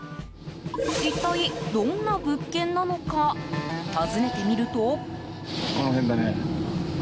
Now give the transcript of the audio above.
一体どんな物件なのか訪ねてみると。